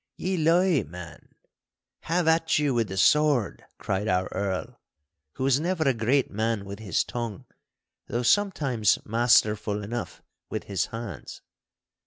'Ye lie, man! Have at you with the sword!' cried our Earl, who was never a great man with his tongue, though sometimes masterful enough with his hands.